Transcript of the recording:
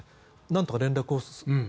何とか連絡をする。